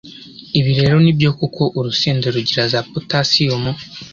ibi rero nibyo kuko urusenda rugira za Potasiyumu,